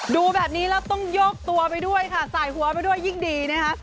ดูแบบนี้แล้วต้องยกตัวไปด้วยค่ะสายหัวไปด้วยยิ่งดีนะคะ